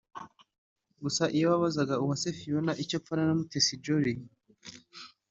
gusa iyo wabazaga Uwase Fiona icyo apfana na Mutesi Jolly